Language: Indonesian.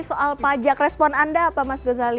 ini dirjen pajak mengucapkan selamat dan mengingatkan mas gozali